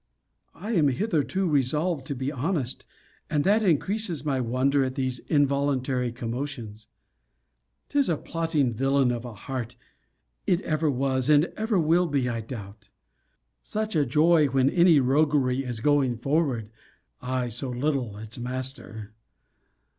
I am hitherto resolved to be honest, and that increases my wonder at these involuntary commotions. 'Tis a plotting villain of a heart: it ever was and ever will be, I doubt. Such a joy when any roguery is going forward! I so little its master!